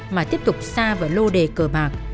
mà tiếp tục xa vào lô đề cờ bạc